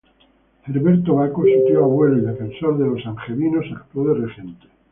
Herberto Baco, su tío-abuelo y defensor de los angevinos, actuó de regente.